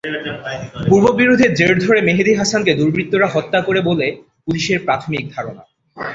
পূর্ববিরোধের জের ধরে মেহেদী হাসানকে দুর্বৃত্তরা হত্যা করেছে বলে পুলিশের প্রাথমিক ধারণা।